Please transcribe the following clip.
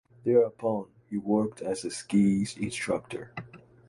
Thereupon, he worked as a ski instructor.